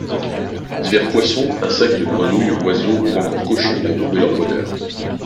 Divers poissons, insectes, grenouilles, oiseaux ou encore cochons y ont trouvé leur bonheur.